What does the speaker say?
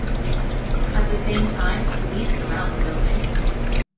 At the same time, police surround the building.